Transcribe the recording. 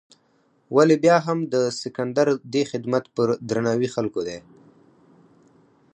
ولې بیا هم د سکندر دې خدمت په درناوي خلکو دی.